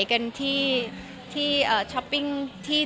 คุณแม่มะม่ากับมะมี่